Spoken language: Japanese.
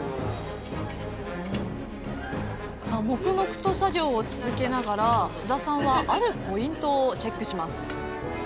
黙々と作業を続けながら津田さんはあるポイントをチェックします。